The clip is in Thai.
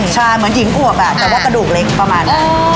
ใช่เหมือนหญิงอวบแต่ว่ากระดูกเล็กประมาณนั้น